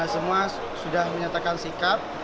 semua sudah menyatakan sikap